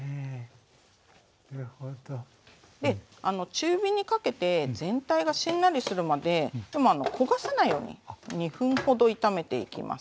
中火にかけて全体がしんなりするまででも焦がさないように２分ほど炒めていきます。